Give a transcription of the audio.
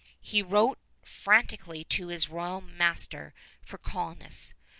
He wrote frantically to His Royal Master for colonists.